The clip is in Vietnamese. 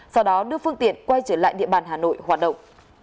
sau đó đưa phương tiện quay trở lại địa bàn hà nội hoạt động